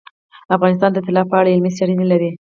افغانستان د طلا په اړه علمي څېړنې لري.